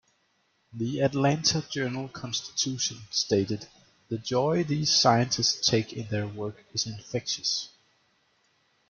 "The Atlanta Journal-Constitution" stated "The joy these scientists take in their work is infectious.